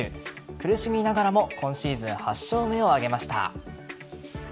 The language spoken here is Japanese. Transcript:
苦しみながらも今シーズン８勝目を挙げました。